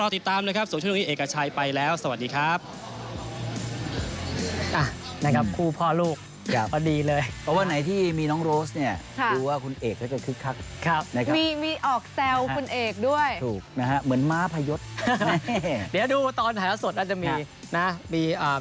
ติดตามนะครับสวัสดีครับ